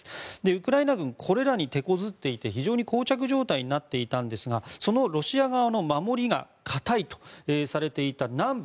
ウクライナ軍はこれらに手こずっていて非常に膠着状態になっていたんですがそのロシア側の守りが堅いとされていた南部